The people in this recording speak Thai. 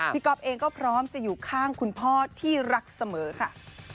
ก๊อฟเองก็พร้อมจะอยู่ข้างคุณพ่อที่รักเสมอค่ะ